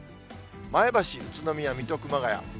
前橋、宇都宮、水戸、熊谷。